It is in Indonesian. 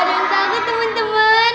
aduh takut temen temen